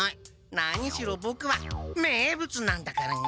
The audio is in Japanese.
何しろボクは名物なんだからね！